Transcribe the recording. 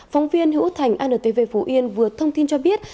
phóng viên hữu thành antv phú yên vừa thông tin cho biết